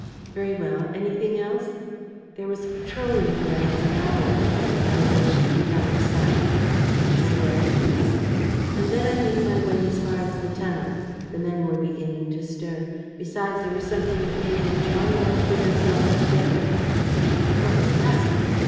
"Very well. Anything else?" "There was a patrol in the grounds an hour ago. I managed to keep out of sight." "And then?" "Then I made my way as far as the tunnel. The men were beginning to stir. Besides, there was something that made them jolly well pull themselves together!" "What was that?"